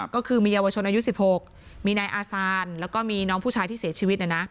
ก็คือมีเยาวชนอายุ๑๖มีนายอาซานแล้วก็มีน้องผู้ชายที่เสียชีวิต